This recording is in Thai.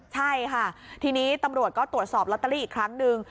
ใช่ค่ะทีนี้ตำรวจก็ตรวจสอบลอตเตอรี่อีกครั้งหนึ่ง